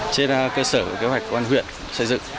trên cơ sở kế hoạch công an huyện xây dựng